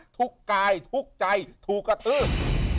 ทุกกายทุกใจถูกกระทื้ม